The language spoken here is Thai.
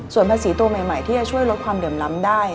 ส่วนภาษีตัวใหม่ที่จะช่วยลดความเหลื่อมล้ำได้